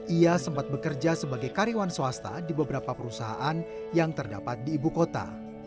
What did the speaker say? ia sempat bekerja sebagai karyawan swasta di beberapa perusahaan yang terdapat di ibu kota